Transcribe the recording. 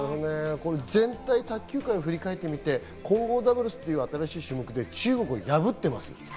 全体の卓球界を振り返ってみて、混合ダブルスという新しい種目で中国を破ってます。